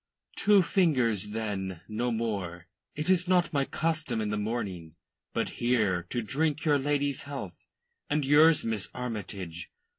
"Two fingers, then no more. It is not my custom in the morning. But here to drink your lady's health, and yours, Miss Armytage."